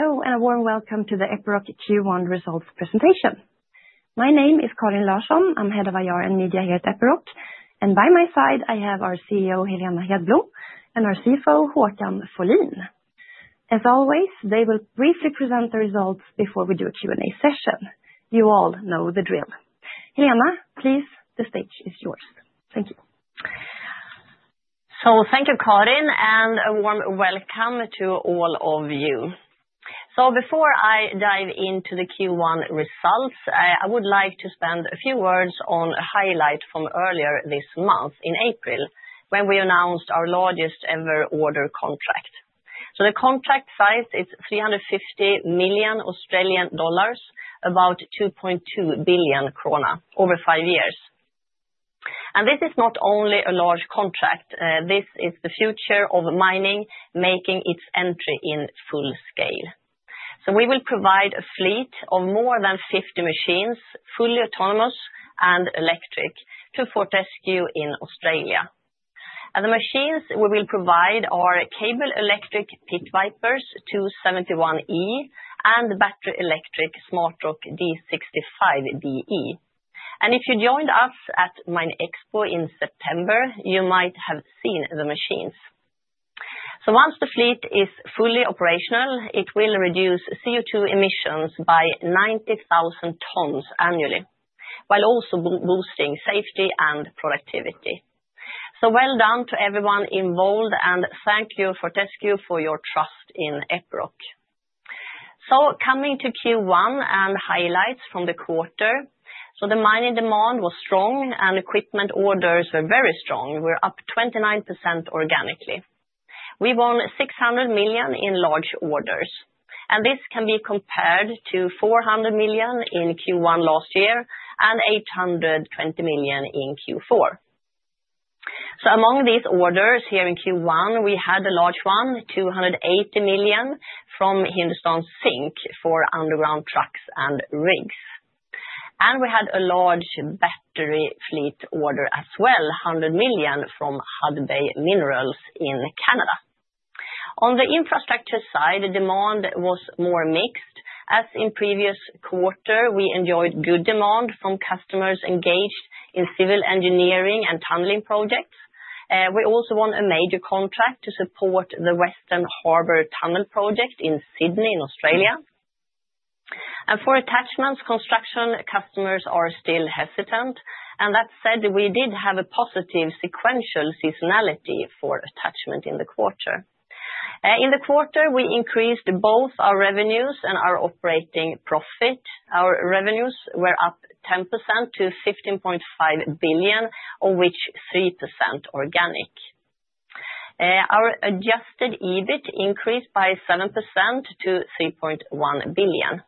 Hello, and a warm welcome to the Epiroc Q1 results presentation. My name is Karin Larsson. I'm Head of IR and Media here at Epiroc, and by my side I have our CEO, Helena Hedblom, and our CFO, Håkan Folin. As always, they will briefly present the results before we do a Q&A session. You all know the drill. Helena, please, the stage is yours. Thank you. Thank you, Karin, and a warm welcome to all of you. Before I dive into the Q1 results, I would like to spend a few words on a highlight from earlier this month in April, when we announced our largest ever order contract. The contract size is 350 million Australian dollars, about 2.2 billion krona over five years. This is not only a large contract. This is the future of mining making its entry in full scale. We will provide a fleet of more than 50 machines, fully autonomous and electric, to Fortescue in Australia. The machines we will provide are cable-electric Pit Viper 271E and battery-electric SmartROC D65DE. If you joined us at Minexpo in September, you might have seen the machines. Once the fleet is fully operational, it will reduce CO2 emissions by 90,000 tonnes annually, while also boosting safety and productivity. Well done to everyone involved, and thank you Fortescue for your trust in Epiroc. Coming to Q1 and highlights from the quarter, the mining demand was strong and equipment orders were very strong. We are up 29% organically. We won $600 million in large orders, and this can be compared to $400 million in Q1 last year and $820 million in Q4. Among these orders here in Q1, we had a large one, $280 million from Hindustan Zinc for underground trucks and rigs. We had a large battery fleet order as well, $100 million from Sudbury Minerals in Canada. On the infrastructure side, the demand was more mixed. As in previous quarter, we enjoyed good demand from customers engaged in civil engineering and tunneling projects. We also won a major contract to support the Western Harbour Tunnel project in Sydney in Australia. For attachments, construction customers are still hesitant. That said, we did have a positive sequential seasonality for attachment in the quarter. In the quarter, we increased both our revenues and our operating profit. Our revenues were up 10% to 15.5 billion, of which 3% organic. Our adjusted EBIT increased by 7% to 3.1 billion.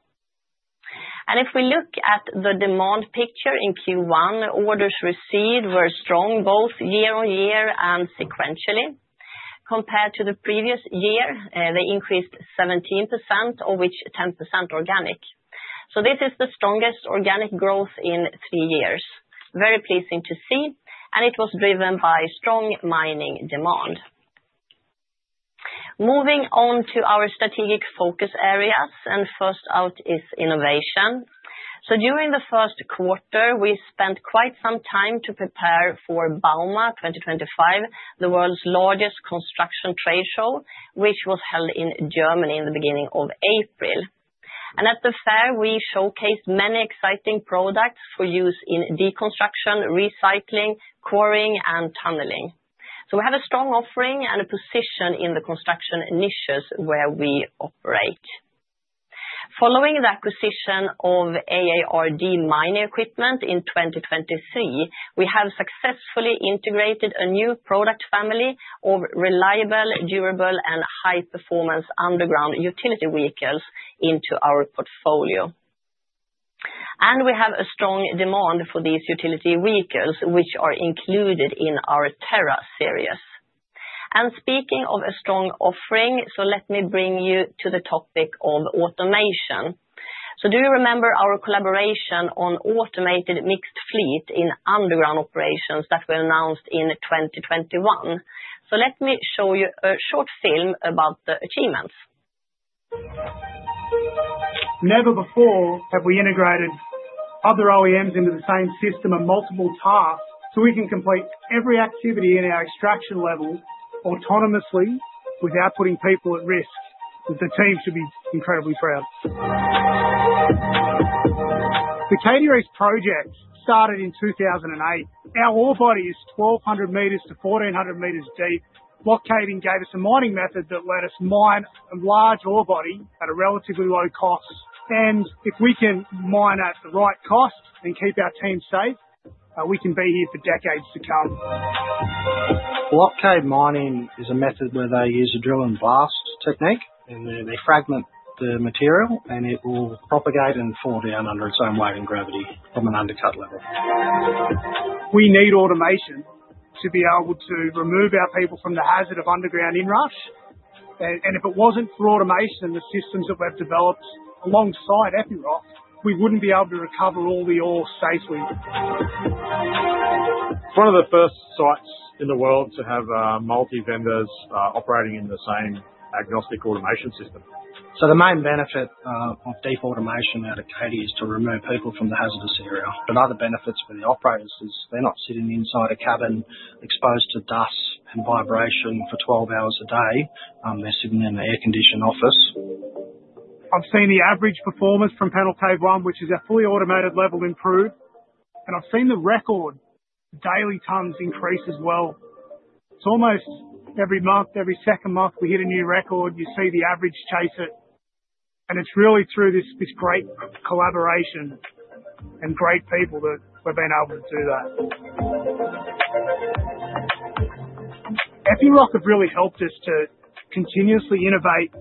If we look at the demand picture in Q1, orders received were strong both year-on-year and sequentially. Compared to the previous year, they increased 17%, of which 10% organic. This is the strongest organic growth in three years. Very pleasing to see, and it was driven by strong mining demand. Moving on to our strategic focus areas, first out is innovation. During the first quarter, we spent quite some time to prepare for Bauma 2025, the world's largest construction trade show, which was held in Germany in the beginning of April. At the fair, we showcased many exciting products for use in deconstruction, recycling, quarrying, and tunneling. We have a strong offering and a position in the construction niches where we operate. Following the acquisition of AARD Mining Equipment in 2023, we have successfully integrated a new product family of reliable, durable, and high-performance underground utility vehicles into our portfolio. We have a strong demand for these utility vehicles, which are included in our Terra series. Speaking of a strong offering, let me bring you to the topic of automation. Do you remember our collaboration on automated mixed fleet in underground operations that we announced in 2021? Let me show you a short film about the achievements. Never before have we integrated other OEMs into the same system and multiple tasks so we can complete every activity in our extraction level autonomously without putting people at risk. The team should be incredibly proud. The Caddy Race project started in 2008. Our ore body is 1,200 meters to 1,400 meters deep. Block caving gave us a mining method that let us mine a large ore body at a relatively low cost. If we can mine at the right cost and keep our team safe, we can be here for decades to come. Block cave mining is a method where they use a drill and blast technique, and then they fragment the material, and it will propagate and fall down under its own weight and gravity from an undercut level. We need automation to be able to remove our people from the hazard of underground inrush. If it wasn't for automation, the systems that we've developed alongside Epiroc, we wouldn't be able to recover all the ore safely. One of the first sites in the world to have multi-vendors operating in the same agnostic automation system. The main benefit of deep automation at a caddy is to remove people from the hazardous area. Other benefits for the operators is they're not sitting inside a cabin exposed to dust and vibration for 12 hours a day. They're sitting in an air-conditioned office. I've seen the average performance from panel cave one, which is a fully automated level, improved. I've seen the record daily tons increase as well. It's almost every month, every second month we hit a new record, you see the average chase it. It's really through this great collaboration and great people that we've been able to do that. Epiroc have really helped us to continuously innovate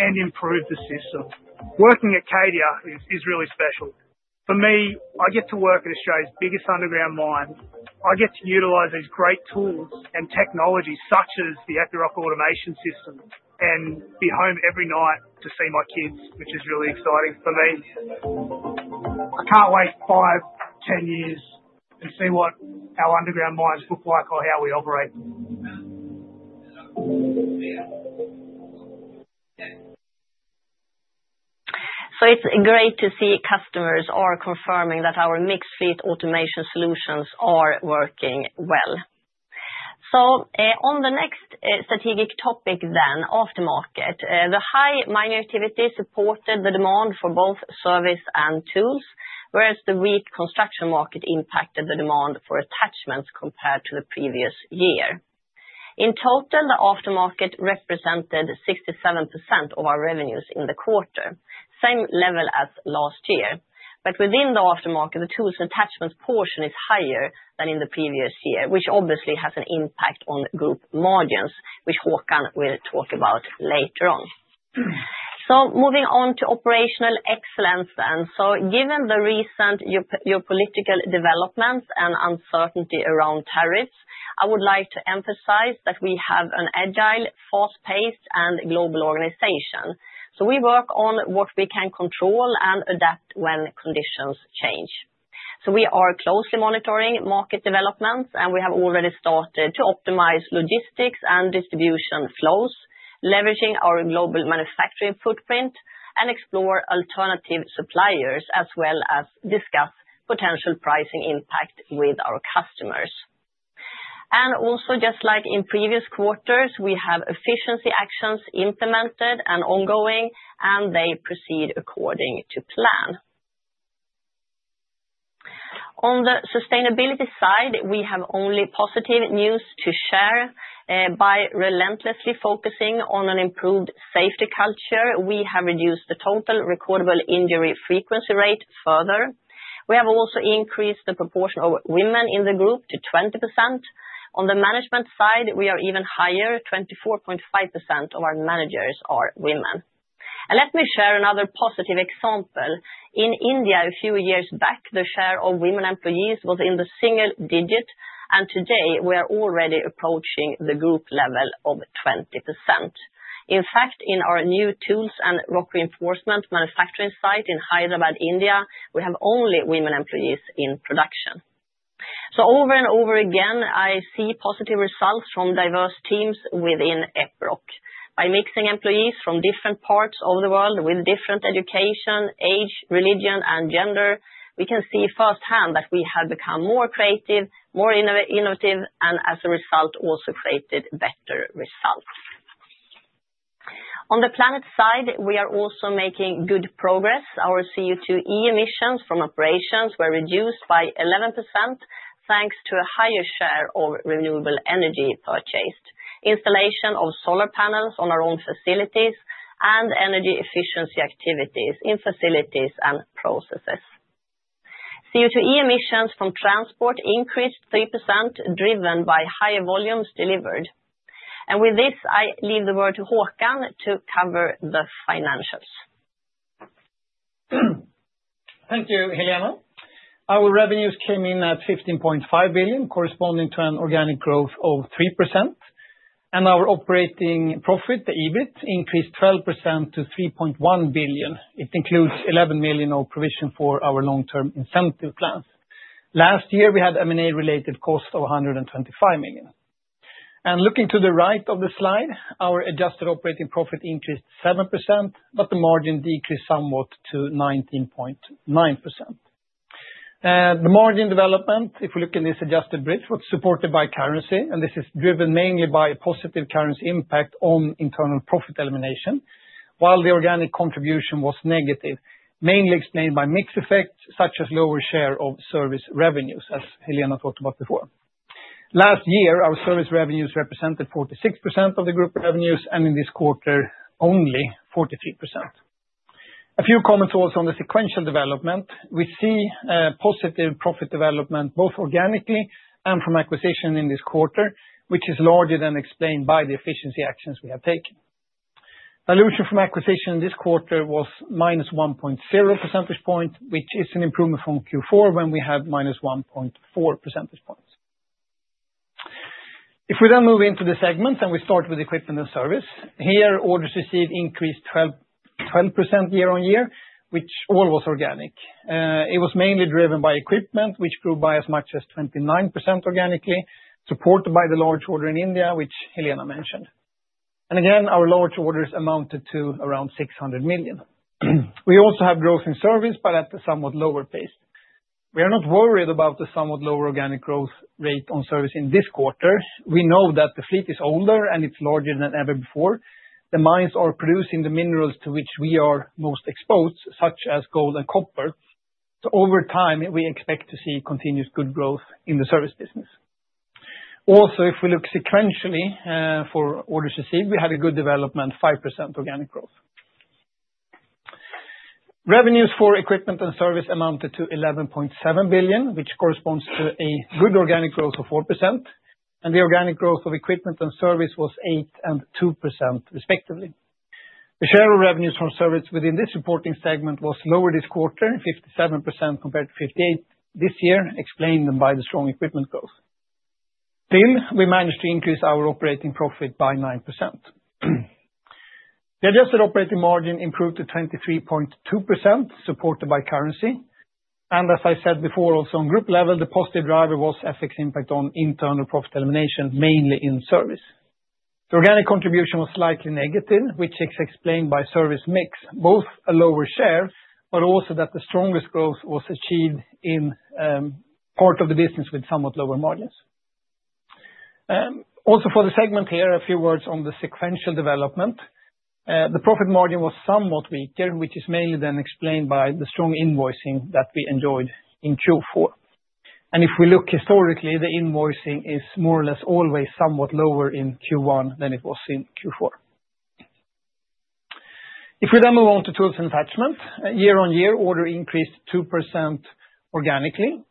and improve the system. Working at Cadia is really special. For me, I get to work at Australia's biggest underground mine. I get to utilize these great tools and technologies such as the Epiroc automation system and be home every night to see my kids, which is really exciting for me. I can't wait 5, 10 years and see what our underground mines look like or how we operate. It's great to see customers are confirming that our mixed fleet automation solutions are working well. On the next strategic topic, aftermarket, the high mining activity supported the demand for both service and tools, whereas the weak construction market impacted the demand for attachments compared to the previous year. In total, the aftermarket represented 67% of our revenues in the quarter, same level as last year. Within the aftermarket, the tools and attachments portion is higher than in the previous year, which obviously has an impact on group margins, which Håkan will talk about later on. Moving on to operational excellence, given the recent geopolitical developments and uncertainty around tariffs, I would like to emphasize that we have an agile, fast-paced, and global organization. We work on what we can control and adapt when conditions change. We are closely monitoring market developments, and we have already started to optimize logistics and distribution flows, leveraging our global manufacturing footprint and explore alternative suppliers as well as discuss potential pricing impact with our customers. Also, just like in previous quarters, we have efficiency actions implemented and ongoing, and they proceed according to plan. On the sustainability side, we have only positive news to share. By relentlessly focusing on an improved safety culture, we have reduced the total recordable injury frequency rate further. We have also increased the proportion of women in the group to 20%. On the management side, we are even higher, 24.5% of our managers are women. Let me share another positive example. In India, a few years back, the share of women employees was in the single digit, and today we are already approaching the group level of 20%. In fact, in our new tools and rock reinforcement manufacturing site in Hyderabad, India, we have only women employees in production. Over and over again, I see positive results from diverse teams within Epiroc. By mixing employees from different parts of the world with different education, age, religion, and gender, we can see firsthand that we have become more creative, more innovative, and as a result, also created better results. On the planet side, we are also making good progress. Our CO2 emissions from operations were reduced by 11% thanks to a higher share of renewable energy purchased, installation of solar panels on our own facilities, and energy efficiency activities in facilities and processes. CO2 emissions from transport increased 3%, driven by higher volumes delivered. With this, I leave the word to Håkan to cover the financials. Thank you, Helena. Our revenues came in at 15.5 billion, corresponding to an organic growth of 3%. Our operating profit, the EBIT, increased 12% to 3.1 billion. It includes 11 million of provision for our long-term incentive plans. Last year, we had M&A-related costs of 125 million. Looking to the right of the slide, our adjusted operating profit increased 7%, but the margin decreased somewhat to 19.9%. The margin development, if we look at this adjusted bridge, was supported by currency, and this is driven mainly by a positive currency impact on internal profit elimination, while the organic contribution was negative, mainly explained by mixed effects such as lower share of service revenues, as Helena talked about before. Last year, our service revenues represented 46% of the group revenues, and in this quarter, only 43%. A few comments also on the sequential development. We see positive profit development both organically and from acquisition in this quarter, which is larger than explained by the efficiency actions we have taken. Dilution from acquisition in this quarter was minus 1.0 percentage points, which is an improvement from Q4 when we had minus 1.4 percentage points. If we then move into the segment and we start with equipment and service, here orders received increased 12% year-on year, which all was organic. It was mainly driven by equipment, which grew by as much as 29% organically, supported by the large order in India, which Helena mentioned. Our large orders amounted to around 600 million. We also have growth in service, but at a somewhat lower pace. We are not worried about the somewhat lower organic growth rate on service in this quarter. We know that the fleet is older and it's larger than ever before. The mines are producing the minerals to which we are most exposed, such as gold and copper. Over time, we expect to see continuous good growth in the service business. Also, if we look sequentially for orders received, we had a good development, 5% organic growth. Revenues for equipment and service amounted to 11.7 billion, which corresponds to a good organic growth of 4%. The organic growth of equipment and service was 8% and 2% respectively. The share of revenues from service within this reporting segment was lower this quarter, 57% compared to 58% this year, explained by the strong equipment growth. Still, we managed to increase our operating profit by 9%. The adjusted operating margin improved to 23.2%, supported by currency. As I said before, also on group level, the positive driver was FX impact on internal profit elimination, mainly in service. The organic contribution was slightly negative, which is explained by service mix, both a lower share, but also that the strongest growth was achieved in part of the business with somewhat lower margins. Also, for the segment here, a few words on the sequential development. The profit margin was somewhat weaker, which is mainly then explained by the strong invoicing that we enjoyed in Q4. If we look historically, the invoicing is more or less always somewhat lower in Q1 than it was in Q4. If we then move on to tools and attachments, year-on-year, order increased 2% organically.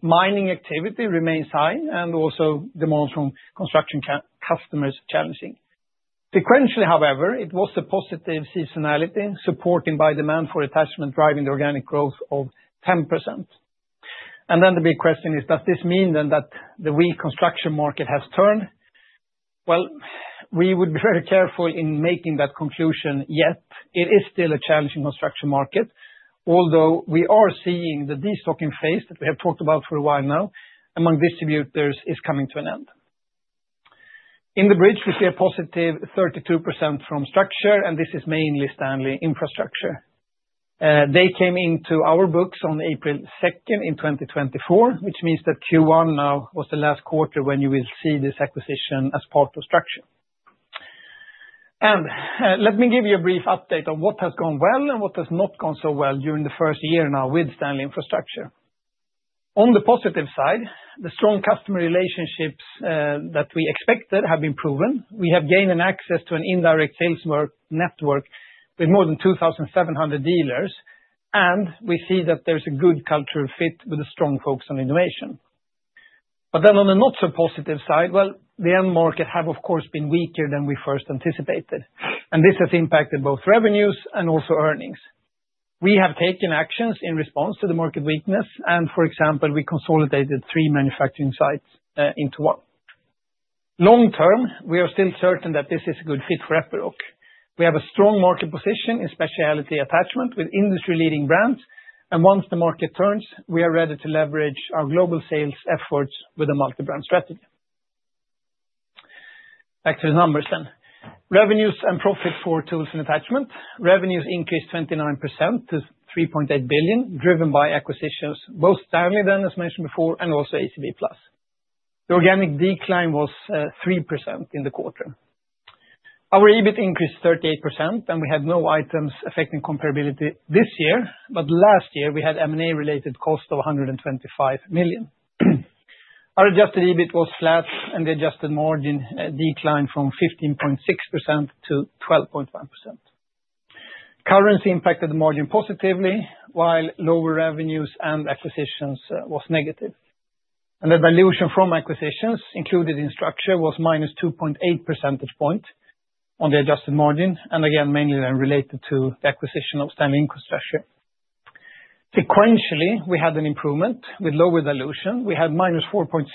Mining activity remains high, and also demands from construction customers challenging. Sequentially, however, it was the positive seasonality, supported by demand for attachment, driving the organic growth of 10%. The big question is, does this mean then that the weak construction market has turned? We would be very careful in making that conclusion yet. It is still a challenging construction market, although we are seeing the destocking phase that we have talked about for a while now among distributors is coming to an end. In the bridge, we see a positive 32% from structure, and this is mainly Stanley Infrastructure. They came into our books on April 2nd in 2024, which means that Q1 now was the last quarter when you will see this acquisition as part of structure. Let me give you a brief update on what has gone well and what has not gone so well during the first year now with Stanley Infrastructure. On the positive side, the strong customer relationships that we expected have been proven. We have gained access to an indirect sales network with more than 2,700 dealers, and we see that there's a good cultural fit with a strong focus on innovation. On the not-so-positive side, the end market has, of course, been weaker than we first anticipated, and this has impacted both revenues and also earnings. We have taken actions in response to the market weakness, and for example, we consolidated three manufacturing sites into one. Long-term, we are still certain that this is a good fit for Epiroc. We have a strong market position in specialty attachment with industry-leading brands, and once the market turns, we are ready to leverage our global sales efforts with a multi-brand strategy. Back to the numbers then. Revenues and profit for tools and attachment. Revenues increased 29% to 3.8 billion, driven by acquisitions, both Stanley then, as mentioned before, and also ACB Plus. The organic decline was 3% in the quarter. Our EBIT increased 38%, and we had no items affecting comparability this year, but last year we had M&A-related cost of 125 million. Our adjusted EBIT was flat, and the adjusted margin declined from 15.6%-12.1%. Currency impacted the margin positively, while lower revenues and acquisitions were negative. The dilution from acquisitions included in structure was minus 2.8 percentage points on the adjusted margin, mainly then related to the acquisition of Stanley Infrastructure. Sequentially, we had an improvement with lower dilution. We had minus 4.0%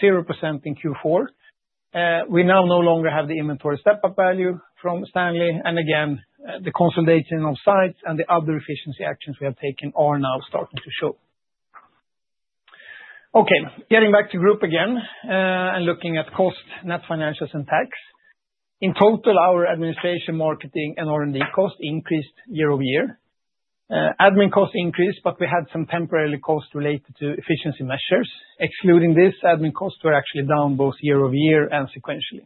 in Q4. We now no longer have the inventory step-up value from Stanley, and the consolidation of sites and the other efficiency actions we have taken are now starting to show. Okay, getting back to group again and looking at cost, net financials, and tax. In total, our administration, marketing, and R&D costs increased year-over-year. Admin costs increased, but we had some temporary costs related to efficiency measures. Excluding this, admin costs were actually down both year-over-year and sequentially.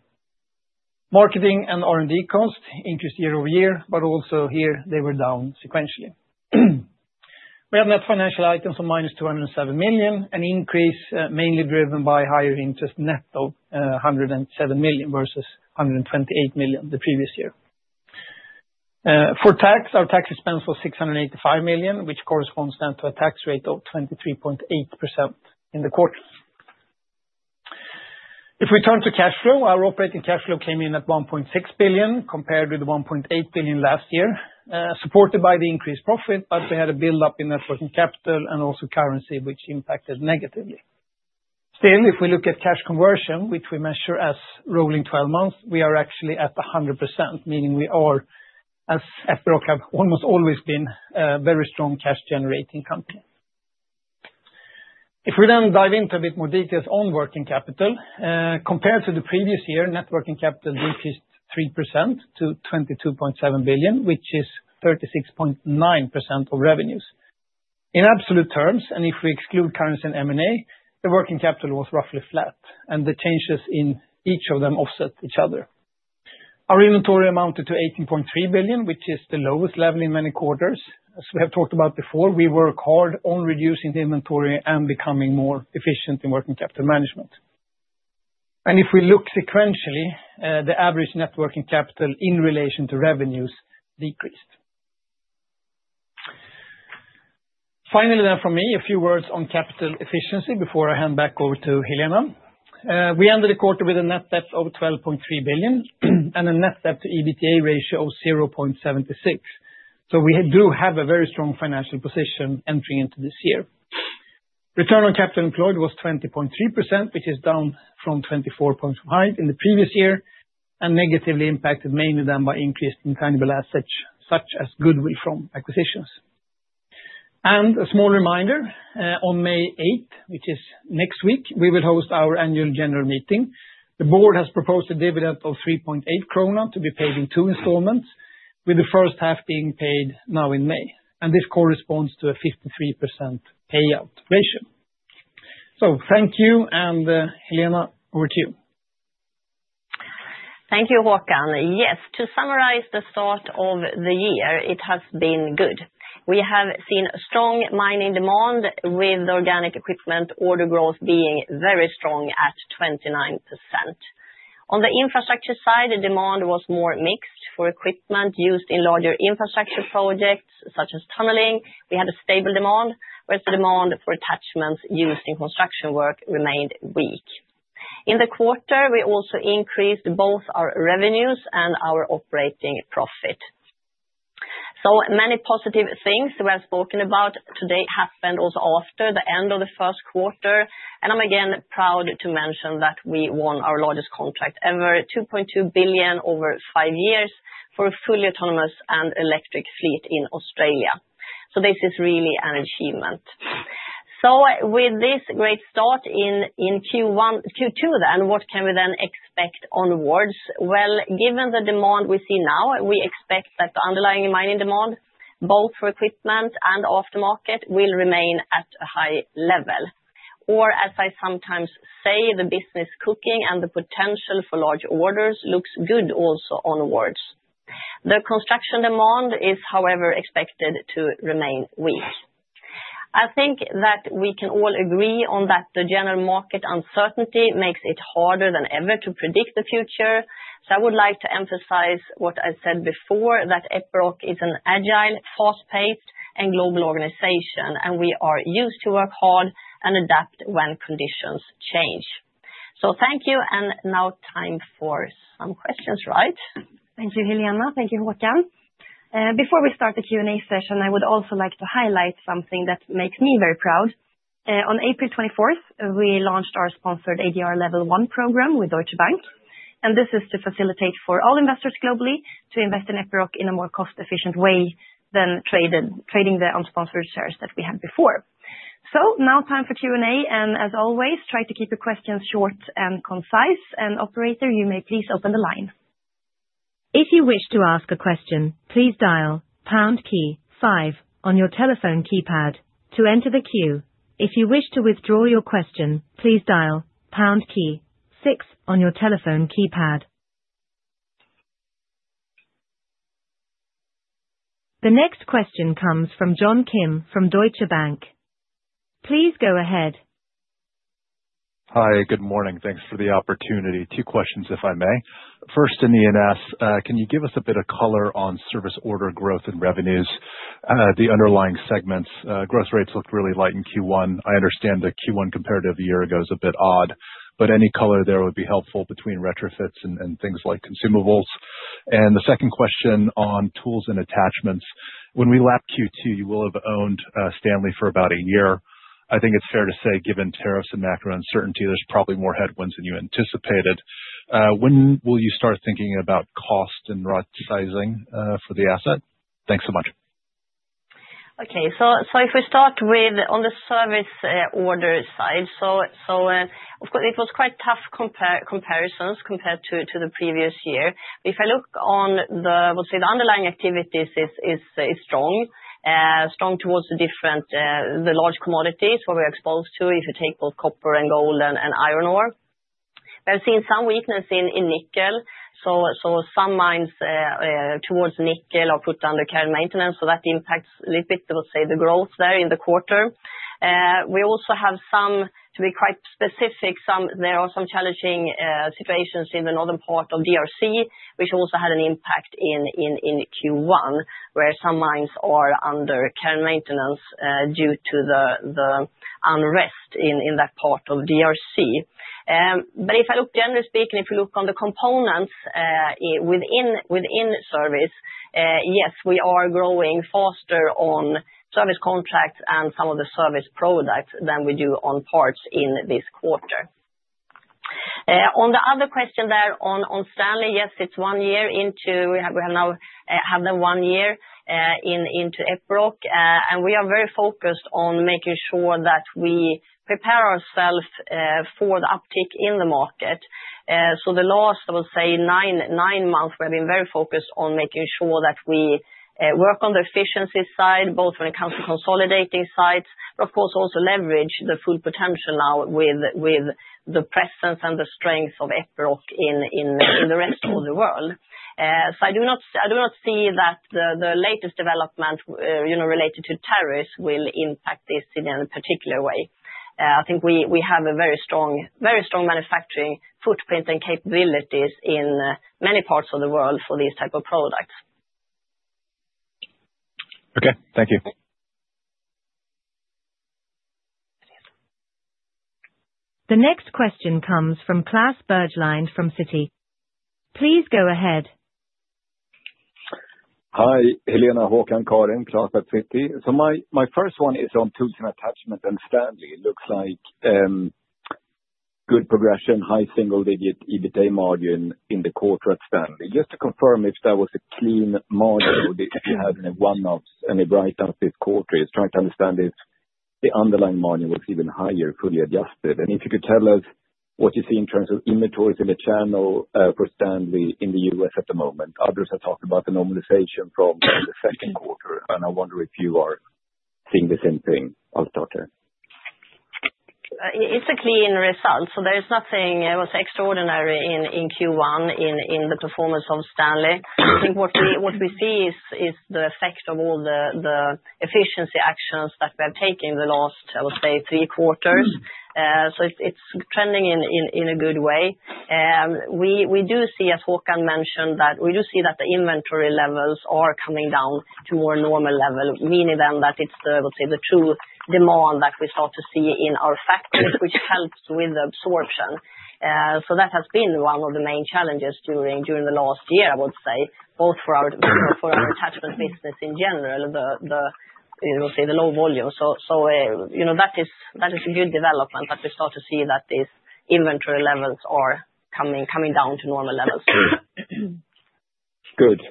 Marketing and R&D costs increased year-over-year, but also here they were down sequentially. We had net financial items of minus 207 million, an increase mainly driven by higher interest netto, 107 million versus 128 million the previous year. For tax, our tax expense was 685 million, which corresponds then to a tax rate of 23.8% in the quarter. If we turn to cash flow, our operating cash flow came in at 1.6 billion compared with 1.8 billion last year, supported by the increased profit, but we had a build-up in working capital and also currency, which impacted negatively. Still, if we look at cash conversion, which we measure as rolling 12 months, we are actually at 100%, meaning we are, as Epiroc have almost always been, a very strong cash-generating company. If we then dive into a bit more details on working capital, compared to the previous year, net working capital decreased 3% to 22.7 billion, which is 36.9% of revenues. In absolute terms, and if we exclude currency and M&A, the working capital was roughly flat, and the changes in each of them offset each other. Our inventory amounted to 18.3 billion, which is the lowest level in many quarters. As we have talked about before, we work hard on reducing the inventory and becoming more efficient in working capital management. If we look sequentially, the average net working capital in relation to revenues decreased. Finally for me, a few words on capital efficiency before I hand back over to Helena. We ended the quarter with a net debt of 12.3 billion and a net debt to EBITDA ratio of 0.76. We do have a very strong financial position entering into this year. Return on capital employed was 20.3%, which is down 4 percentage points from the high in the previous year, and negatively impacted mainly by increased intangible assets such as goodwill from acquisitions. A small reminder, on May 8th, which is next week, we will host our annual general meeting. The board has proposed a dividend of 3.8 krona to be paid in two installments, with the first half being paid now in May. This corresponds to a 53% payout ratio. Thank you, and Helena, over to you. Thank you, Håkan. Yes, to summarize the start of the year, it has been good. We have seen strong mining demand with the organic equipment order growth being very strong at 29%. On the infrastructure side, the demand was more mixed for equipment used in larger infrastructure projects such as tunneling. We had a stable demand, whereas the demand for attachments used in construction work remained weak. In the quarter, we also increased both our revenues and our operating profit. Many positive things were spoken about today happened also after the end of the first quarter. I am again proud to mention that we won our largest contract ever, 2.2 billion over five years for a fully autonomous and electric fleet in Australia. This is really an achievement. With this great start in Q2 then, what can we then expect onwards? Given the demand we see now, we expect that the underlying mining demand, both for equipment and aftermarket, will remain at a high level. Or as I sometimes say, the business cooking and the potential for large orders looks good also onwards. The construction demand is, however, expected to remain weak. I think that we can all agree on that the general market uncertainty makes it harder than ever to predict the future. I would like to emphasize what I said before, that Epiroc is an agile, fast-paced, and global organization, and we are used to work hard and adapt when conditions change. Thank you, and now time for some questions, right? Thank you, Helena. Thank you, Håkan. Before we start the Q&A session, I would also like to highlight something that makes me very proud. On April 24th, we launched our sponsored ADR Level 1 program with Deutsche Bank, and this is to facilitate for all investors globally to invest in Epiroc in a more cost-efficient way than trading the unsponsored shares that we had before. Now time for Q&A, and as always, try to keep your questions short and concise. Operator, you may please open the line. If you wish to ask a question, please dial pound key five on your telephone keypad to enter the queue. If you wish to withdraw your question, please dial pound key six on your telephone keypad. The next question comes from John Kim from Deutsche Bank. Please go ahead. Hi, good morning. Thanks for the opportunity. Two questions, if I may. First, E&S asked, can you give us a bit of color on service order growth and revenues, the underlying segments? Gross rates looked really light in Q1. I understand the Q1 comparative a year ago is a bit odd, but any color there would be helpful between retrofits and things like consumables. The second question on tools and attachments, when we lap Q2, you will have owned Stanley for about a year. I think it's fair to say, given tariffs and macro uncertainty, there's probably more headwinds than you anticipated. When will you start thinking about cost and route sizing for the asset? Thanks so much. Okay, if we start with on the service order side, of course it was quite tough comparisons compared to the previous year. If I look on the, I would say the underlying activities is strong, strong towards the different large commodities where we're exposed to, if you take both copper and gold and iron ore. We've seen some weakness in nickel, so some mines towards nickel are put under current maintenance, so that impacts a little bit, I would say, the growth there in the quarter. We also have some, to be quite specific, there are some challenging situations in the northern part of DRC, which also had an impact in Q1, where some mines are under current maintenance due to the unrest in that part of DRC. If I look generally speaking, if you look on the components within service, yes, we are growing faster on service contracts and some of the service products than we do on parts in this quarter. On the other question there on Stanley, yes, it's one year into we have now had one year into Epiroc, and we are very focused on making sure that we prepare ourselves for the uptick in the market. The last, I would say, nine months, we have been very focused on making sure that we work on the efficiency side, both when it comes to consolidating sites, but of course also leverage the full potential now with the presence and the strength of Epiroc in the rest of the world. I do not see that the latest development related to tariffs will impact this in any particular way. I think we have a very strong manufacturing footprint and capabilities in many parts of the world for these types of products. Okay, thank you. The next question comes from Klas Bergelind from Citi. Please go ahead. Hi, Helena, Håkan, Karin, Klas at Citi. My first one is on tools and attachments and Stanley. It looks like good progression, high single-digit EBITDA margin in the quarter at Stanley. Just to confirm if that was a clean margin or did you have any one-offs and a write-up this quarter? It's trying to understand if the underlying margin was even higher fully adjusted. If you could tell us what you see in terms of inventories in the channel for Stanley in the U.S. at the moment. Others have talked about the normalization from the second quarter, and I wonder if you are seeing the same thing. I'll start there. It's a clean result, so there is nothing that was extraordinary in Q1 in the performance of Stanley. I think what we see is the effect of all the efficiency actions that we have taken in the last, I would say, three quarters. It is trending in a good way. We do see, as Håkan mentioned, that we do see that the inventory levels are coming down to more normal level, meaning then that it's the true demand that we start to see in our factories, which helps with absorption. That has been one of the main challenges during the last year, I would say, both for our attachment business in general, the low volume. That is a good development that we start to see that these inventory levels are coming down to normal levels. Good.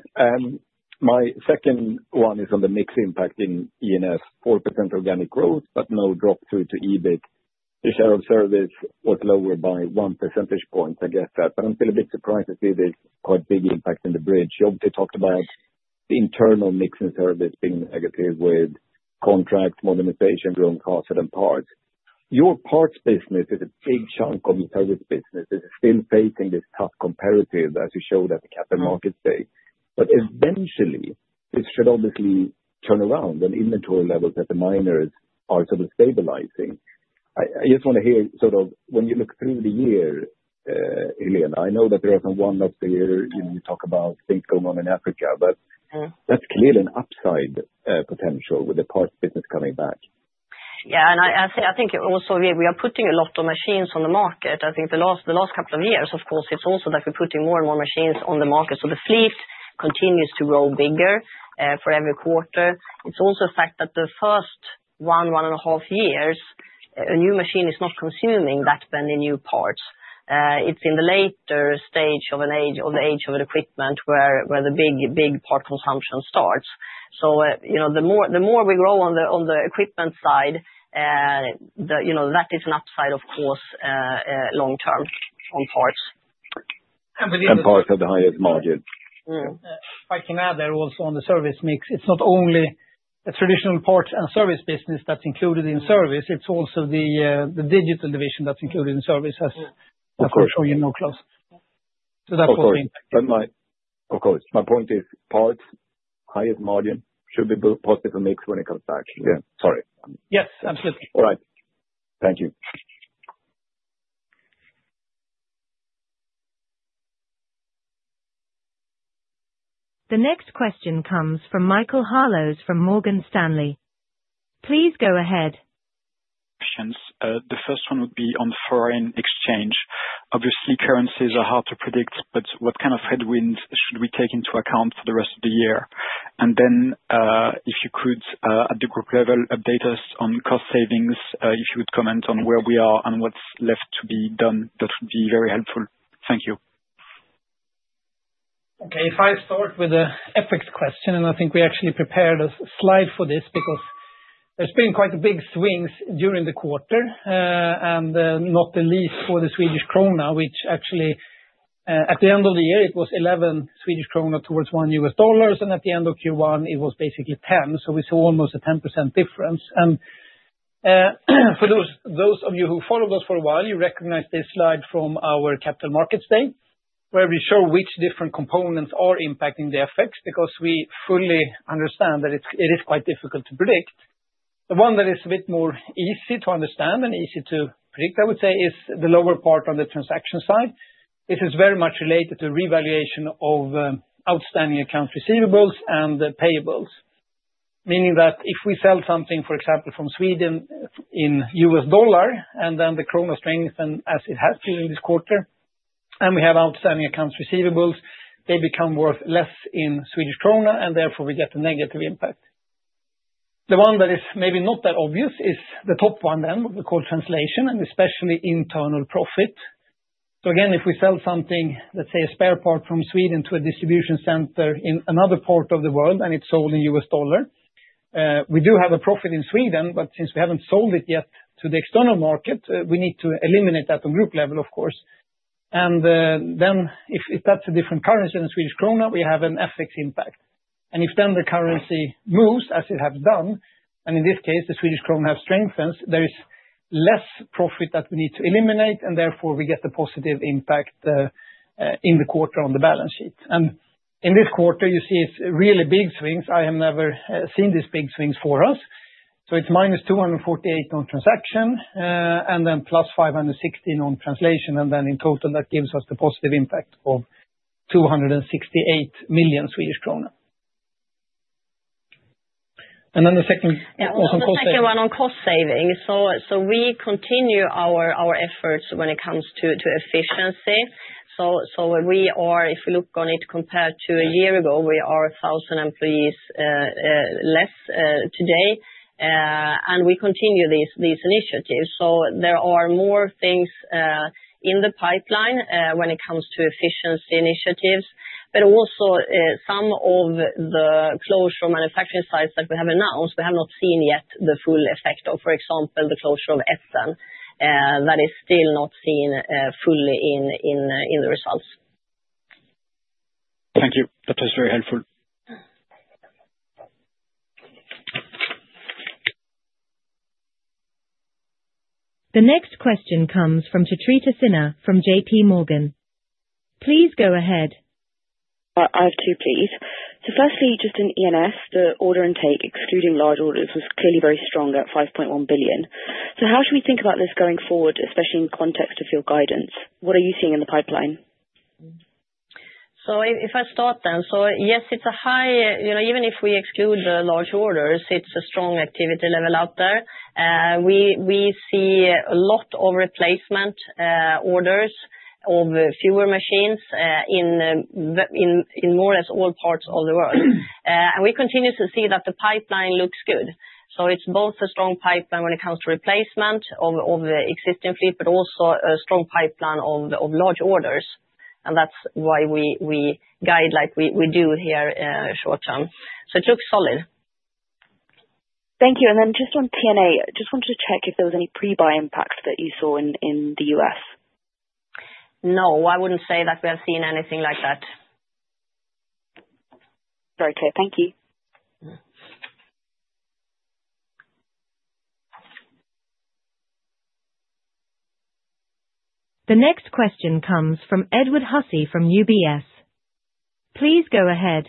My second one is on the mixed impact in E&S, 4% organic growth, but no drop through to EBIT. The share of service was lower by one percentage point. I get that, but I'm still a bit surprised to see this quite big impact in the bridge. You obviously talked about the internal mixing service being negative with contract modernization, growing costs of parts. Your parts business is a big chunk of the service business. It's still facing this tough comparative as you showed at the capital markets day. Eventually, this should obviously turn around when inventory levels at the miners are sort of stabilizing. I just want to hear sort of when you look through the year, Helena, I know that there are some one-offs a year. You talk about things going on in Africa, but that's clearly an upside potential with the parts business coming back. Yeah, and I think also we are putting a lot of machines on the market. I think the last couple of years, of course, it's also that we're putting more and more machines on the market. The fleet continues to grow bigger for every quarter. It's also a fact that the first one, one and a half years, a new machine is not consuming that many new parts. It's in the later stage of the age of equipment where the big part consumption starts. The more we grow on the equipment side, that is an upside, of course, long term on parts. Parts at the highest margin. I came out there also on the service mix. It's not only the traditional parts and service business that's included in service. It's also the digital division that's included in service, as I'm sure you know. Close. So that's also impacted. Of course. My point is parts, highest margin, should be positive mix when it comes back. Yeah, sorry. Yes, absolutely. All right. Thank you. The next question comes from Michael Harlows from Morgan Stanley. Please go ahead. Questions. The first one would be on foreign exchange. Obviously, currencies are hard to predict, but what kind of headwinds should we take into account for the rest of the year? If you could, at the group level, update us on cost savings, if you would comment on where we are and what's left to be done. That would be very helpful. Thank you. Okay, if I start with an Epiroc question, and I think we actually prepared a slide for this because there's been quite a big swing during the quarter, not the least for the Swedish krona, which actually at the end of the year, it was 11 Swedish krona towards $1, and at the end of Q1, it was basically 10. We saw almost a 10% difference. For those of you who followed us for a while, you recognize this slide from our capital markets day, where we show which different components are impacting the effects because we fully understand that it is quite difficult to predict. The one that is a bit more easy to understand and easy to predict, I would say, is the lower part on the transaction side. This is very much related to revaluation of outstanding accounts receivables and payables, meaning that if we sell something, for example, from Sweden in U.S. dollar and then the krona strengthens as it has during this quarter, and we have outstanding accounts receivables, they become worth less in Swedish krona, and therefore we get a negative impact. The one that is maybe not that obvious is the top one then, what we call translation, and especially internal profit. If we sell something, let's say a spare part from Sweden to a distribution center in another part of the world and it's sold in U.S. dollar, we do have a profit in Sweden, but since we haven't sold it yet to the external market, we need to eliminate that on group level, of course. If that's a different currency than Swedish krona, we have an FX impact. If then the currency moves as it has done, and in this case, the Swedish krona has strengthened, there is less profit that we need to eliminate, and therefore we get the positive impact in the quarter on the balance sheet. In this quarter, you see really big swings. I have never seen this big swings for us. It is minus 248 million on transaction, and then plus 560 million on translation, and then in total, that gives us the positive impact of 268 million Swedish kronor. Then the second. Thank you, on cost savings. We continue our efforts when it comes to efficiency. If we look on it compared to a year ago, we are 1,000 employees less today, and we continue these initiatives. There are more things in the pipeline when it comes to efficiency initiatives, but also some of the closure of manufacturing sites that we have announced, we have not seen yet the full effect of, for example, the closure of Essen. That is still not seen fully in the results. Thank you. That was very helpful. The next question comes from Chitrita Sinha from J.P. Morgan. Please go ahead. I have two, please. Firstly, just in E&S, the order intake, excluding large orders, was clearly very strong at 5.1 billion. How should we think about this going forward, especially in context of your guidance? What are you seeing in the pipeline? Yes, it's a high, even if we exclude large orders, it's a strong activity level out there. We see a lot of replacement orders of fewer machines in more or less all parts of the world. We continue to see that the pipeline looks good. It's both a strong pipeline when it comes to replacement of existing fleet, but also a strong pipeline of large orders. That's why we guide like we do here short-term. It looks solid. Thank you. Just on TNA, just wanted to check if there was any pre-buy impact that you saw in the U.S. No, I wouldn't say that we have seen anything like that. Very clear. Thank you. The next question comes from Edward Hussey from UBS. Please go ahead.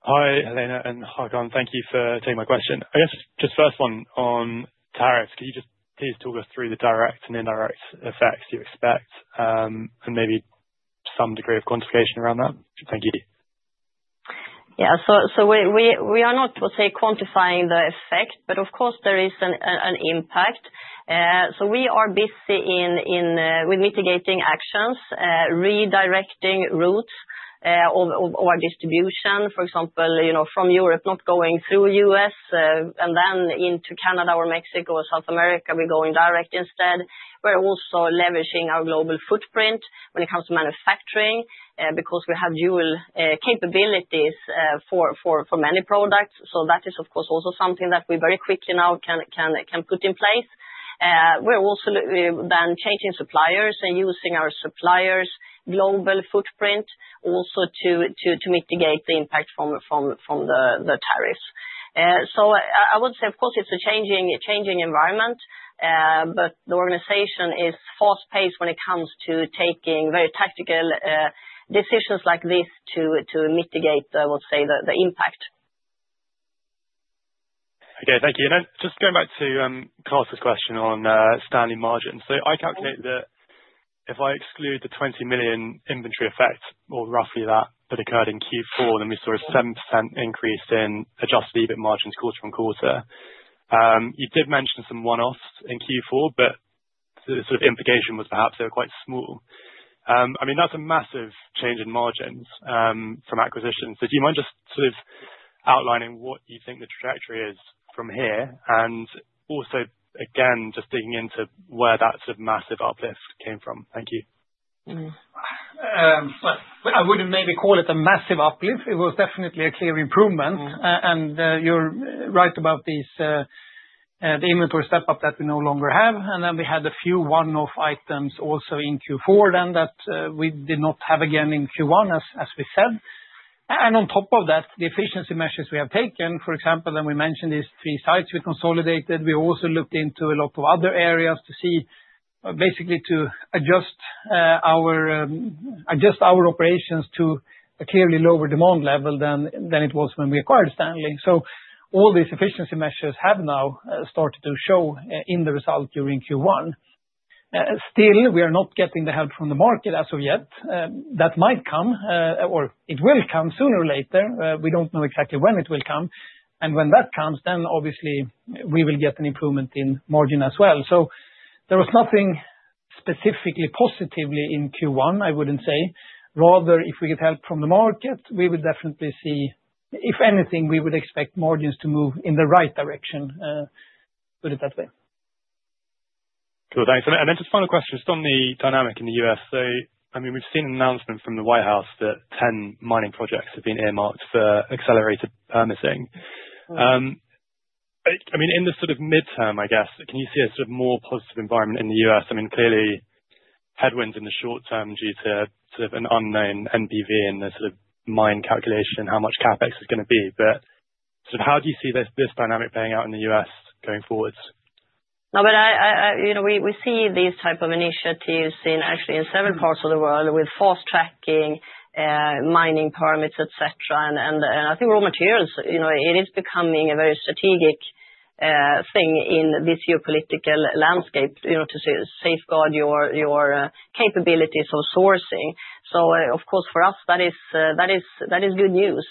Hi, Helena and Håkan, thank you for taking my question. I guess just first one on tariffs, could you just please talk us through the direct and indirect effects you expect, and maybe some degree of quantification around that? Thank you. Yeah, so we are not, I would say, quantifying the effect, but of course, there is an impact. We are busy with mitigating actions, redirecting routes of our distribution, for example, from Europe not going through the U.S. and then into Canada or Mexico or South America; we are going direct instead. We are also leveraging our global footprint when it comes to manufacturing because we have dual capabilities for many products. That is, of course, also something that we very quickly now can put in place. We are also then changing suppliers and using our suppliers' global footprint also to mitigate the impact from the tariffs. I would say, of course, it is a changing environment, but the organization is fast-paced when it comes to taking very tactical decisions like this to mitigate, I would say, the impact. Okay, thank you. Just going back to Klas's question on standing margins. I calculated that if I exclude the $20 million inventory effect, or roughly that, that occurred in Q4, then we saw a 7% increase in adjusted EBIT margins quarter on quarter. You did mention some one-offs in Q4, but the sort of implication was perhaps they were quite small. I mean, that's a massive change in margins from acquisition. Do you mind just sort of outlining what you think the trajectory is from here? Also, again, just digging into where that sort of massive uplift came from? Thank you. I wouldn't maybe call it a massive uplift. It was definitely a clear improvement. You're right about the inventory step-up that we no longer have. We had a few one-off items also in Q4 that we did not have again in Q1, as we said. On top of that, the efficiency measures we have taken, for example, and we mentioned these three sites we consolidated, we also looked into a lot of other areas to see, basically to adjust our operations to a clearly lower demand level than it was when we acquired Stanley. All these efficiency measures have now started to show in the result during Q1. Still, we are not getting the help from the market as of yet. That might come, or it will come sooner or later. We don't know exactly when it will come. When that comes, obviously we will get an improvement in margin as well. There was nothing specifically positive in Q1, I would not say. Rather, if we get help from the market, we would definitely see, if anything, we would expect margins to move in the right direction. Put it that way. Cool, thanks. Just final question. Just on the dynamic in the U.S., I mean, we've seen an announcement from the White House that 10 mining projects have been earmarked for accelerated permitting. I mean, in the sort of midterm, I guess, can you see a sort of more positive environment in the U.S.? I mean, clearly, headwinds in the short term due to sort of an unknown NPV in the sort of mine calculation, how much CapEx is going to be. Sort of how do you see this dynamic playing out in the U.S. going forwards? No, but we see these types of initiatives actually in several parts of the world with force tracking, mining permits, etc. I think raw materials, it is becoming a very strategic thing in this geopolitical landscape to safeguard your capabilities of sourcing. Of course, for us, that is good news.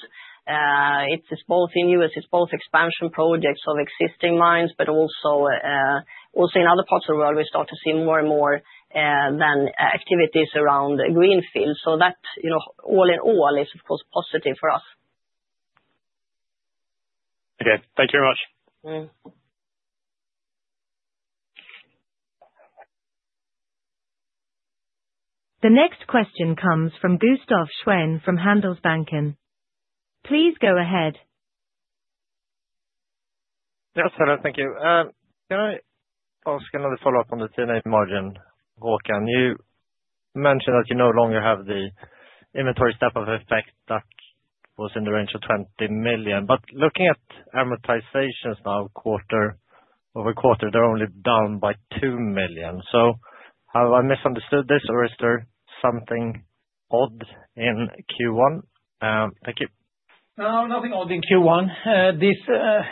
It's both in the U.S., it's both expansion projects of existing mines, but also in other parts of the world, we start to see more and more activities around greenfield. That, all in all, is of course positive for us. Okay, thank you very much. The next question comes from Gustaf Schwerin from Handelsbanken. Please go ahead. Yes, hello, thank you. Can I ask another follow-up on the TNA margin? Håkan, you mentioned that you no longer have the inventory step-up effect that was in the range of $20 million. Looking at amortizations now, quarter over quarter, they are only down by $2 million. Have I misunderstood this, or is there something odd in Q1? Thank you. No, nothing odd in Q1. This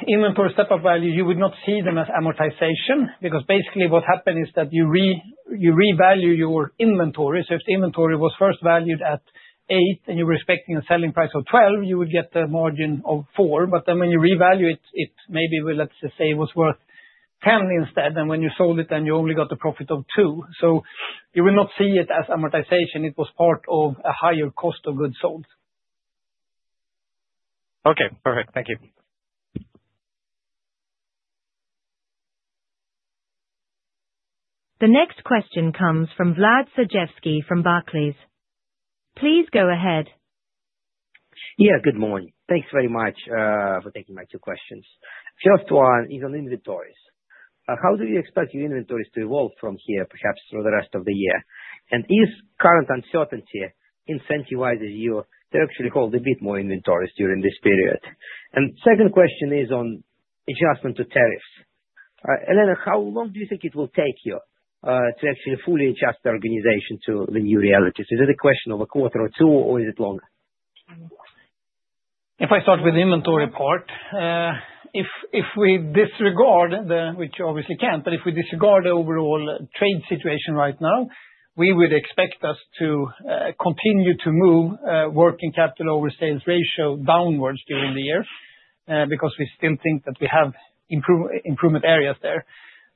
inventory step-up value, you would not see them as amortization because basically what happened is that you revalue your inventory. If the inventory was first valued at 8 and you were expecting a selling price of 12, you would get a margin of 4. When you revalue it, it maybe, let's just say, was worth 10 instead. When you sold it, you only got a profit of 2. You will not see it as amortization. It was part of a higher cost of goods sold. Okay, perfect. Thank you. The next question comes from Vlad Sergievskiy from Barclays. Please go ahead. Yeah, good morning. Thanks very much for taking my two questions. First one is on inventories. How do you expect your inventories to evolve from here, perhaps for the rest of the year? Is current uncertainty incentivizing you to actually hold a bit more inventories during this period? The second question is on adjustment to tariffs. Helena, how long do you think it will take you to actually fully adjust the organization to the new realities? Is it a question of a quarter or two, or is it longer? If I start with the inventory part, if we disregard, which we obviously can't, but if we disregard the overall trade situation right now, we would expect us to continue to move working capital over sales ratio downwards during the year because we still think that we have improvement areas there.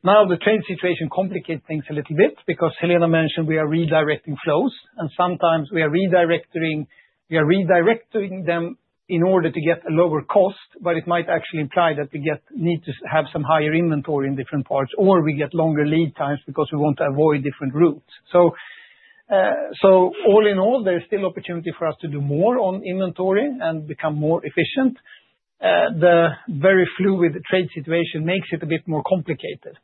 Now, the trade situation complicates things a little bit because Helena mentioned we are redirecting flows, and sometimes we are redirecting them in order to get a lower cost, but it might actually imply that we need to have some higher inventory in different parts, or we get longer lead times because we want to avoid different routes. All in all, there is still opportunity for us to do more on inventory and become more efficient. The very fluid trade situation makes it a bit more complicated.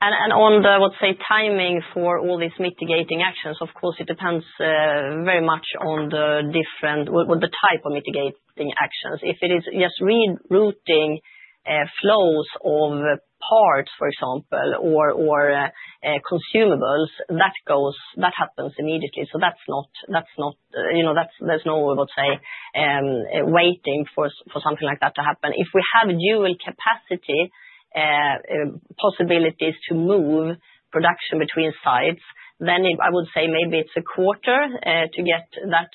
On the timing for all these mitigating actions, of course, it depends very much on the different what the type of mitigating actions. If it is just rerouting flows of parts, for example, or consumables, that happens immediately. There is no waiting for something like that to happen. If we have dual capacity possibilities to move production between sites, then I would say maybe it's a quarter to get that,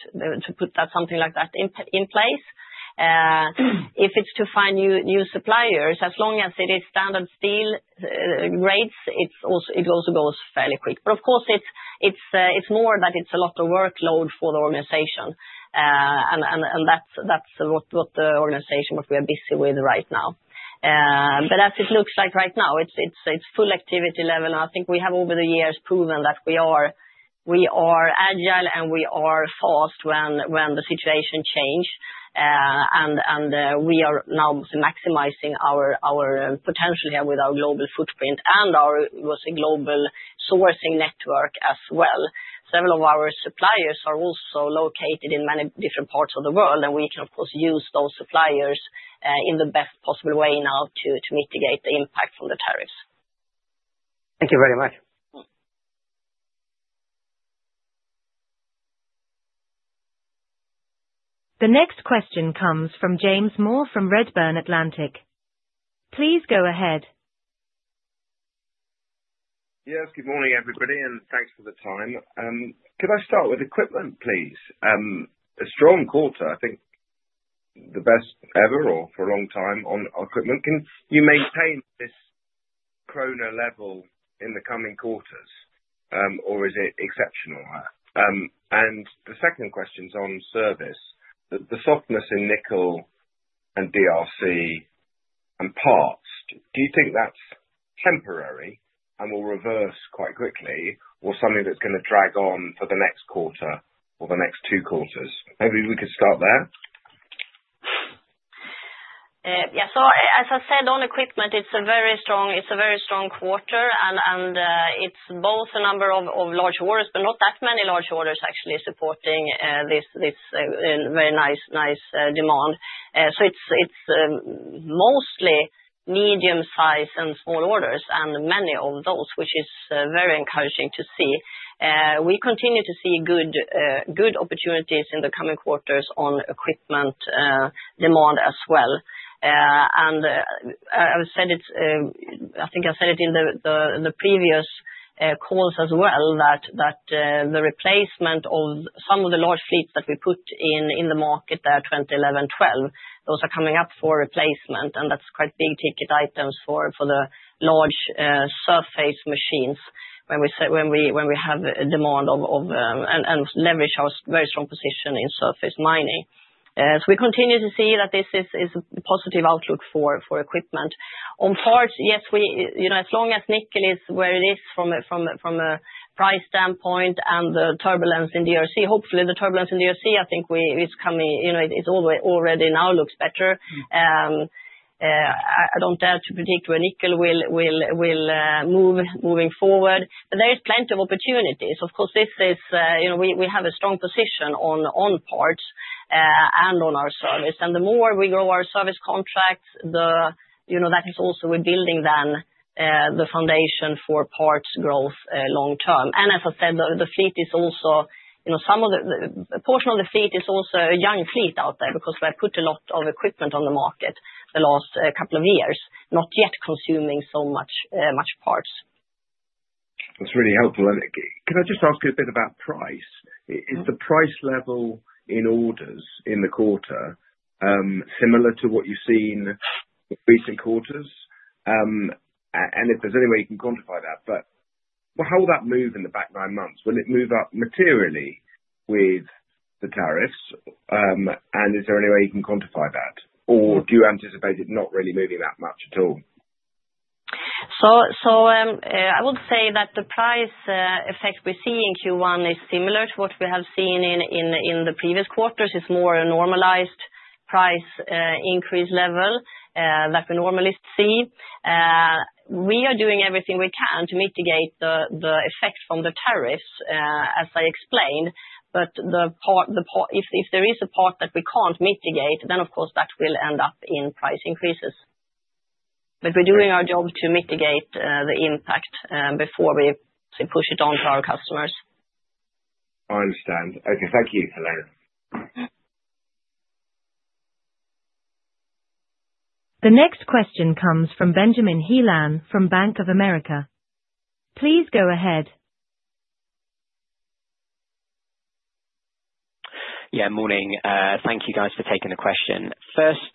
to put something like that in place. If it's to find new suppliers, as long as it is standard steel grades, it also goes fairly quick. Of course, it's more that it's a lot of workload for the organization. That is what the organization, what we are busy with right now. As it looks like right now, it's full activity level. I think we have over the years proven that we are agile and we are fast when the situation changed. We are now maximizing our potential here with our global footprint and our global sourcing network as well. Several of our suppliers are also located in many different parts of the world, and we can, of course, use those suppliers in the best possible way now to mitigate the impact from the tariffs. Thank you very much. The next question comes from James Moore from Redburn Atlantic. Please go ahead. Yes, good morning everybody, and thanks for the time. Could I start with equipment, please? A strong quarter, I think the best ever or for a long time on equipment. Can you maintain this krona level in the coming quarters, or is it exceptional? The second question is on service. The softness in nickel and DRC and parts, do you think that's temporary and will reverse quite quickly, or something that's going to drag on for the next quarter or the next two quarters? Maybe we could start there. Yeah, as I said, on equipment, it's a very strong quarter, and it's both a number of large orders, but not that many large orders actually supporting this very nice demand. It's mostly medium-sized and small orders, and many of those, which is very encouraging to see. We continue to see good opportunities in the coming quarters on equipment demand as well. I think I said it in the previous calls as well, that the replacement of some of the large fleets that we put in the market there, 2011-2012, those are coming up for replacement, and that's quite big ticket items for the large surface machines when we have demand and leverage our very strong position in surface mining. We continue to see that this is a positive outlook for equipment. On parts, yes, as long as nickel is where it is from a price standpoint and the turbulence in DRC, hopefully the turbulence in DRC, I think it already now looks better. I do not dare to predict where nickel will move moving forward, but there is plenty of opportunities. Of course, we have a strong position on parts and on our service. The more we grow our service contracts, that is also where we are building then the foundation for parts growth long-term. As I said, the fleet is also some of the portion of the fleet is also a young fleet out there because we have put a lot of equipment on the market the last couple of years, not yet consuming so much parts. That's really helpful. Can I just ask you a bit about price? Is the price level in orders in the quarter similar to what you've seen in recent quarters? If there's any way you can quantify that, how will that move in the back nine months? Will it move up materially with the tariffs? Is there any way you can quantify that? Do you anticipate it not really moving that much at all? I would say that the price effect we see in Q1 is similar to what we have seen in the previous quarters. It's more a normalized price increase level that we normally see. We are doing everything we can to mitigate the effect from the tariffs, as I explained. If there is a part that we can't mitigate, then of course that will end up in price increases. We're doing our job to mitigate the impact before we push it on to our customers. I understand. Okay, thank you, Helena. The next question comes from Benjamin Heelan from Bank of America. Please go ahead. Yeah, morning. Thank you guys for taking the question. First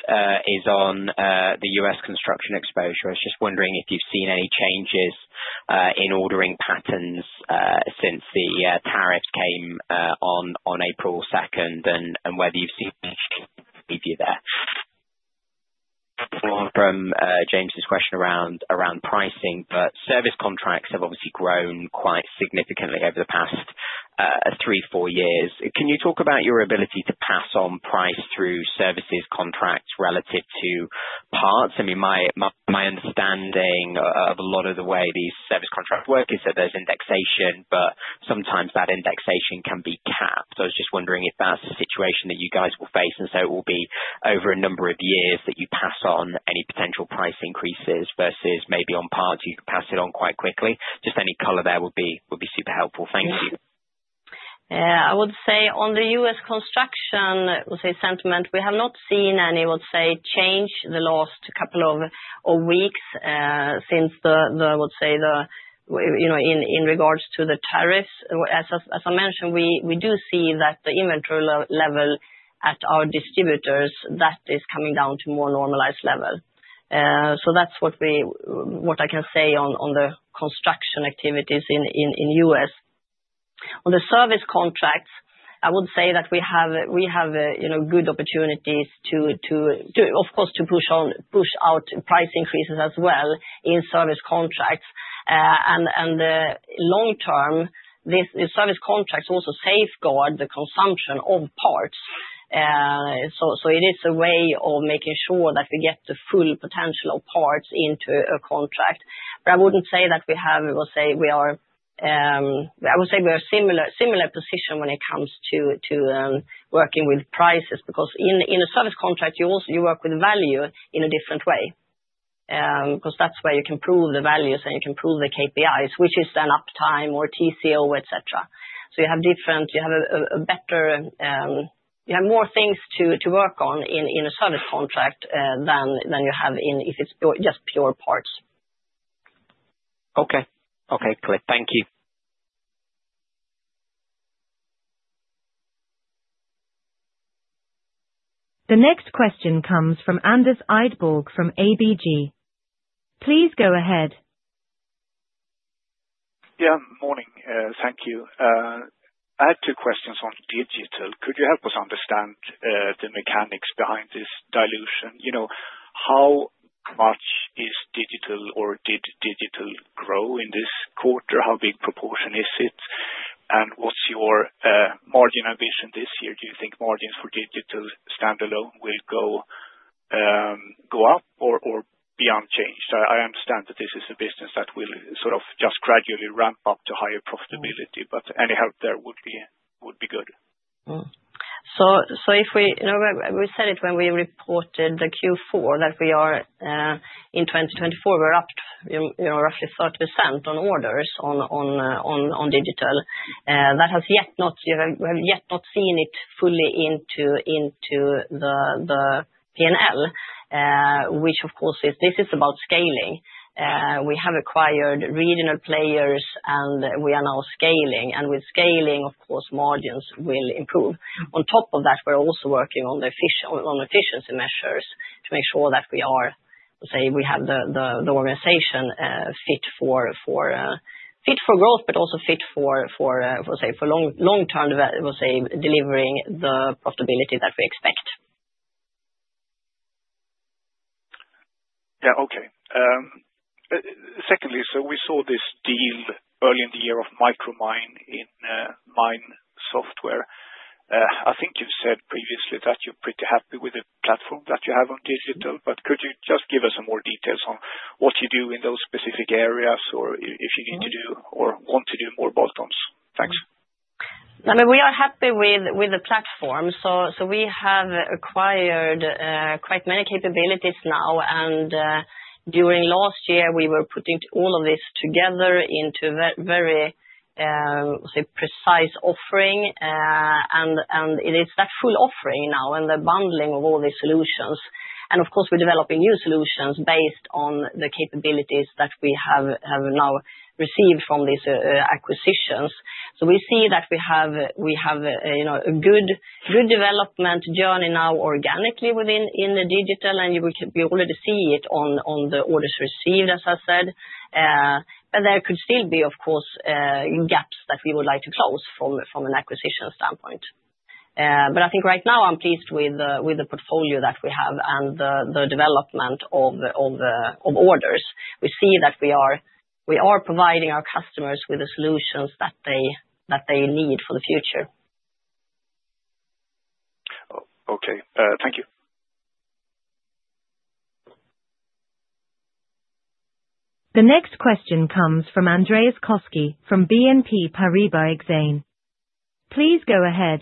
is on the U.S. construction exposure. I was just wondering if you've seen any changes in ordering patterns since the tariffs came on April 2nd and whether you've seen any change there. From James's question around pricing, but service contracts have obviously grown quite significantly over the past three, four years. Can you talk about your ability to pass on price through services contracts relative to parts? I mean, my understanding of a lot of the way these service contracts work is that there's indexation, but sometimes that indexation can be capped. I was just wondering if that's a situation that you guys will face, and so it will be over a number of years that you pass on any potential price increases versus maybe on parts you can pass it on quite quickly. Just any color there would be super helpful. Thank you. Yeah, I would say on the U.S. construction, I would say sentiment, we have not seen any, I would say, change the last couple of weeks since the, I would say, in regards to the tariffs. As I mentioned, we do see that the inventory level at our distributors, that is coming down to a more normalized level. That is what I can say on the construction activities in the U.S. On the service contracts, I would say that we have good opportunities to, of course, to push out price increases as well in service contracts. Long-term, the service contracts also safeguard the consumption of parts. It is a way of making sure that we get the full potential of parts into a contract. I would not say that we have, I would say we are in a similar position when it comes to working with prices because in a service contract, you work with value in a different way because that is where you can prove the values and you can prove the KPIs, which is then uptime or TCO, etc. You have more things to work on in a service contract than you have if it is just pure parts. Okay. Okay, great. Thank you. The next question comes from Anders idborg from ABG. Please go ahead. Yeah, morning. Thank you. I had two questions on digital. Could you help us understand the mechanics behind this dilution? How much is digital or did digital grow in this quarter? How big proportion is it? What's your margin ambition this year? Do you think margins for digital standalone will go up or be unchanged? I understand that this is a business that will sort of just gradually ramp up to higher profitability, but any help there would be good. We said it when we reported the Q4 that we are in 2024, we're up roughly 30% on orders on digital. That has yet not, we have yet not seen it fully into the P&L, which of course is, this is about scaling. We have acquired regional players and we are now scaling. With scaling, of course, margins will improve. On top of that, we're also working on efficiency measures to make sure that we are, we have the organization fit for growth, but also fit for long-term delivering the profitability that we expect. Yeah, okay. Secondly, we saw this deal early in the year of Micromine in mine software. I think you've said previously that you're pretty happy with the platform that you have on digital, but could you just give us some more details on what you do in those specific areas or if you need to do or want to do more bolt-ons? Thanks. I mean, we are happy with the platform. We have acquired quite many capabilities now. During last year, we were putting all of this together into a very precise offering. It is that full offering now and the bundling of all these solutions. Of course, we're developing new solutions based on the capabilities that we have now received from these acquisitions. We see that we have a good development journey now organically within the digital, and you can already see it on the orders received, as I said. There could still be, of course, gaps that we would like to close from an acquisition standpoint. I think right now I'm pleased with the portfolio that we have and the development of orders. We see that we are providing our customers with the solutions that they need for the future. Okay. Thank you. The next question comes from Andreas Koski from BNP Paribas Exane. Please go ahead.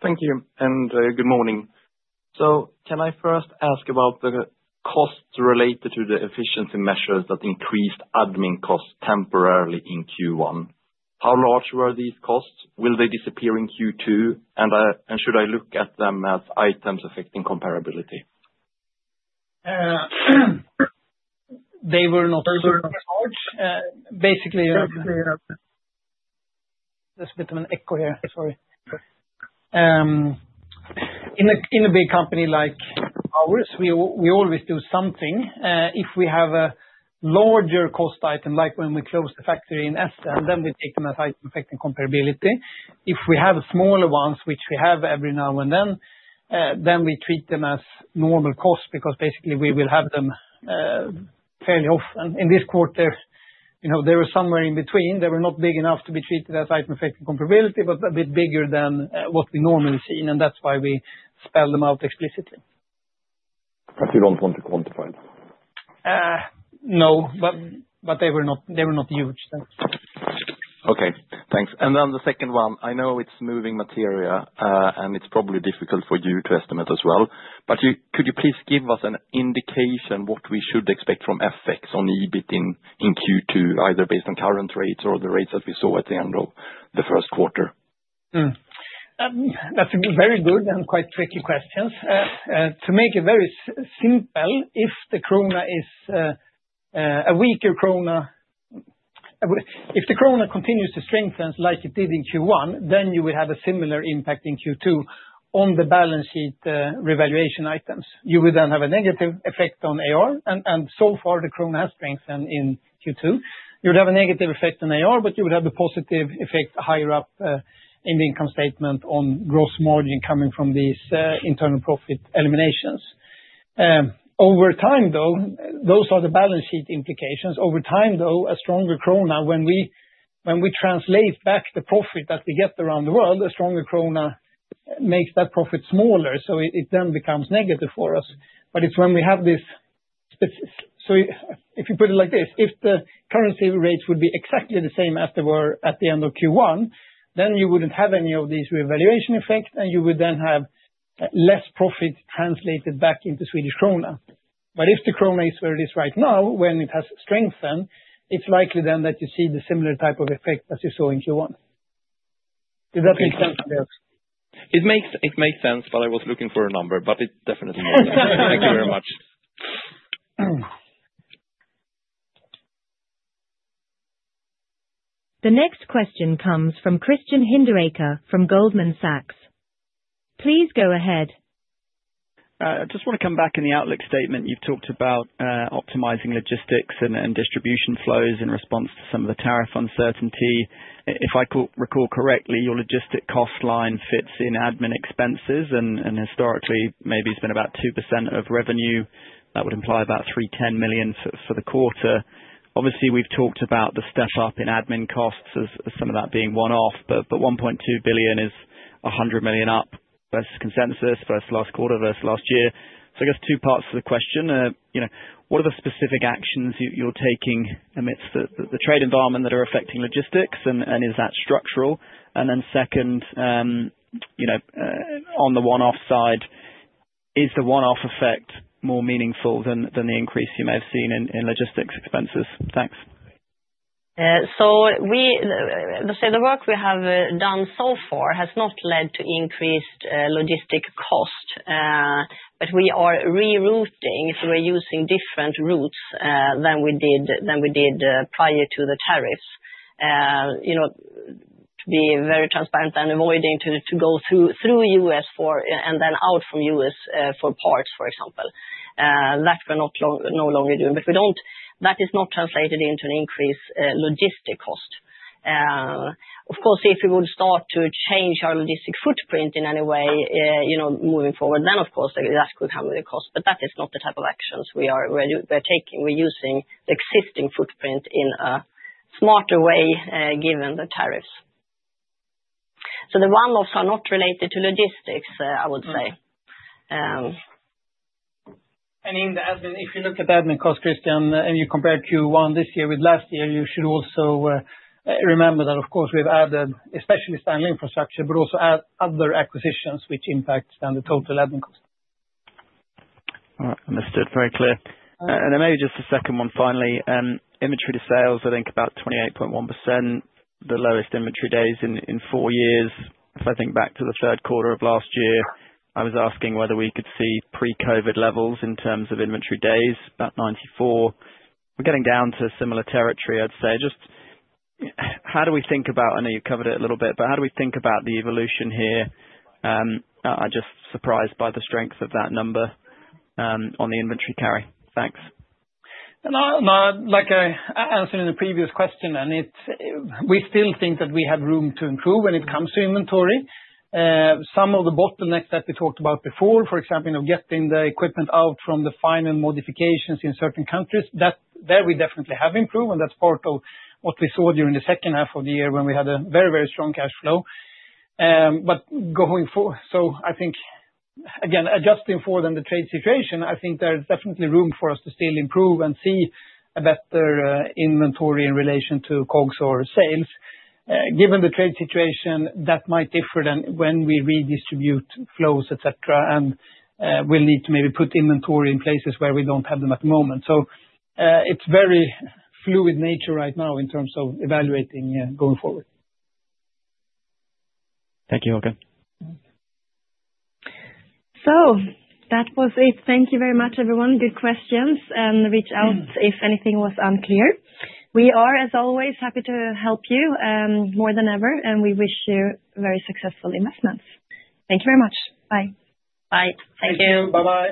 Thank you. Good morning. Can I first ask about the costs related to the efficiency measures that increased admin costs temporarily in Q1? How large were these costs? Will they disappear in Q2? Should I look at them as items affecting comparability? They were not large. Basically, there's a bit of an echo here. Sorry. In a big company like ours, we always do something. If we have a larger cost item, like when we close the factory in Essen, then we take them as items affecting comparability. If we have smaller ones, which we have every now and then, then we treat them as normal costs because basically we will have them fairly often. In this quarter, they were somewhere in between. They were not big enough to be treated as items affecting comparability, but a bit bigger than what we normally see. That is why we spell them out explicitly. You don't want to quantify them? No, but they were not huge. Okay. Thanks. The second one, I know it's moving material and it's probably difficult for you to estimate as well. Could you please give us an indication of what we should expect from FX on EBIT in Q2, either based on current rates or the rates that we saw at the end of the first quarter? That's a very good and quite tricky question. To make it very simple, if the krona is a weaker krona, if the krona continues to strengthen like it did in Q1, then you would have a similar impact in Q2 on the balance sheet revaluation items. You would then have a negative effect on AR. And so far, the krona has strengthened in Q2. You would have a negative effect on AR, but you would have the positive effect higher up in the income statement on gross margin coming from these internal profit eliminations. Over time, though, those are the balance sheet implications. Over time, though, a stronger krona, when we translate back the profit that we get around the world, a stronger krona makes that profit smaller. It then becomes negative for us. It is when we have this, so if you put it like this, if the currency rates would be exactly the same as they were at the end of Q1, then you would not have any of these revaluation effects, and you would then have less profit translated back into Swedish krona. If the krona is where it is right now, when it has strengthened, it is likely then that you see the similar type of effect as you saw in Q1. Does that make sense? It makes sense, but I was looking for a number, but it definitely makes sense. Thank you very much. The next question comes from Christian Hinderaker from Goldman Sachs. Please go ahead. I just want to come back in the outlook statement. You've talked about optimizing logistics and distribution flows in response to some of the tariff uncertainty. If I recall correctly, your logistic cost line fits in admin expenses, and historically, maybe it's been about 2% of revenue. That would imply about 310 million for the quarter. Obviously, we've talked about the step up in admin costs as some of that being one-off, but 1.2 billion is 100 million up versus consensus versus last quarter versus last year. I guess two parts to the question. What are the specific actions you're taking amidst the trade environment that are affecting logistics, and is that structural? On the one-off side, is the one-off effect more meaningful than the increase you may have seen in logistics expenses? Thanks. The work we have done so far has not led to increased logistic costs, but we are rerouting. We're using different routes than we did prior to the tariffs. To be very transparent and avoiding to go through the U.S. and then out from the U.S. for parts, for example. That we're no longer doing. That is not translated into an increased logistic cost. Of course, if we would start to change our logistic footprint in any way moving forward, then of course that could come with a cost. That is not the type of actions we are taking. We're using the existing footprint in a smarter way given the tariffs. The one-offs are not related to logistics, I would say. If you look at the admin cost, Christian, and you compare Q1 this year with last year, you should also remember that, of course, we've added especially standalone infrastructure, but also other acquisitions which impact the total admin cost. Understood. Very clear. Maybe just a second one finally. Inventory to sales, I think about 28.1%. The lowest inventory days in four years. If I think back to the third quarter of last year, I was asking whether we could see pre-COVID levels in terms of inventory days, about 94. We are getting down to similar territory, I would say. Just how do we think about, I know you covered it a little bit, but how do we think about the evolution here? I am just surprised by the strength of that number on the inventory carry. Thanks. Like I answered in the previous question, we still think that we have room to improve when it comes to inventory. Some of the bottlenecks that we talked about before, for example, getting the equipment out from the final modifications in certain countries, there we definitely have improved. That is part of what we saw during the second half of the year when we had a very, very strong cash flow. Going forward, I think, again, adjusting for then the trade situation, I think there is definitely room for us to still improve and see a better inventory in relation to COGS or sales. Given the trade situation, that might differ than when we redistribute flows, etc. We will need to maybe put inventory in places where we do not have them at the moment. It is very fluid nature right now in terms of evaluating going forward. Thank you again. That was it. Thank you very much, everyone. Good questions. Reach out if anything was unclear. We are, as always, happy to help you more than ever, and we wish you very successful investments. Thank you very much. Bye. Bye. Thank you. Thank you. Bye-bye.